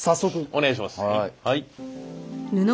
お願いします。